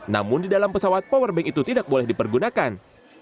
namun di dalam pesawat powerbank itu tidak boleh dipergunakan